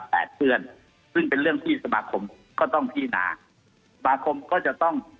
เพื่อนซึ่งเป็นเรื่องที่สมาคมก็ต้องพินาสมาคมก็จะต้อง